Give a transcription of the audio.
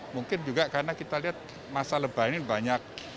mungkin juga karena kita lihat masa lebah ini banyak